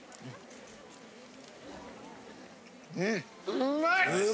うまい！